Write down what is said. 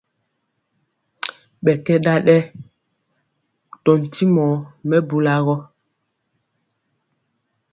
Ɓɛ kɛ ɗaɗɛ ko ntimo ɓɛ bula gɔ.